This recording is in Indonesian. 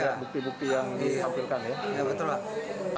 dari bukti bukti yang disampilkan ya